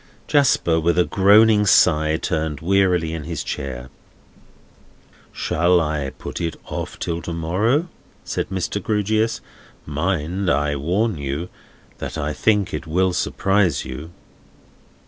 Jasper, with a groaning sigh, turned wearily in his chair. "Shall I put it off till to morrow?" said Mr. Grewgious. "Mind, I warn you, that I think it will surprise you!"